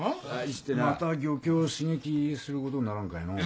また漁協を刺激することにならんかいのう？